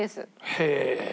へえ。